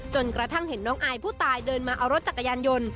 กระทั่งเห็นน้องอายผู้ตายเดินมาเอารถจักรยานยนต์